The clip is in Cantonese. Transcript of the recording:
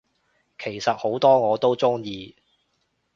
其實好多我都鍾意